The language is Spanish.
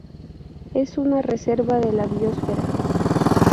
Es una reserva de la biosfera.